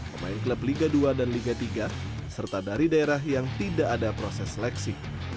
pemain klub liga dua dan liga tiga serta dari daerah yang tidak ada proses seleksi